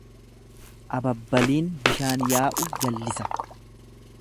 Ababbaliin bishaan yaa'u jallisa.